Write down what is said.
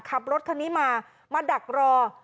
ขับรถคันนี้มามาดักรอ